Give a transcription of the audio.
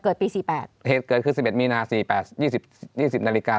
เกิดปีสี่แปดเหตุเกิดคือ๑๑มีนาสี่แปดยี่สิบยี่สิบนาฬิกา